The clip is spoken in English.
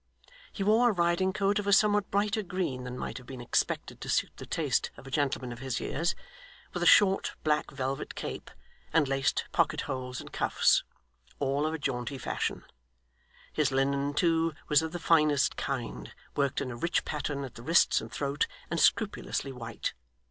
He wore a riding coat of a somewhat brighter green than might have been expected to suit the taste of a gentleman of his years, with a short, black velvet cape, and laced pocket holes and cuffs, all of a jaunty fashion; his linen, too, was of the finest kind, worked in a rich pattern at the wrists and throat, and scrupulously white.